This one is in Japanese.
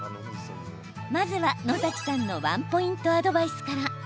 まずは野崎さんのワンポイントアドバイスから。